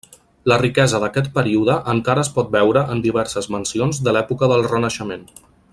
La riquesa d’aquest període encara es pot veure en diverses mansions de l'època del Renaixement.